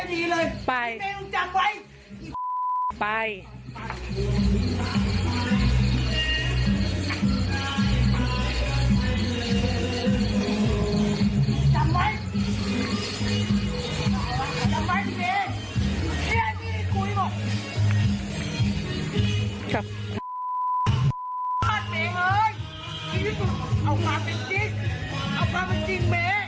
คุณผู้หญิงที่